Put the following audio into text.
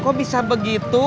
kok bisa begitu